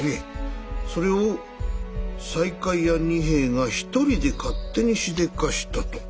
それを西海屋仁兵衛が一人で勝手にしでかしたと。